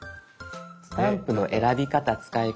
スタンプの選び方使い方